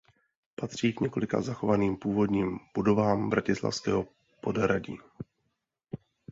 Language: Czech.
Patří k několika zachovaným původním budovám bratislavského podhradí.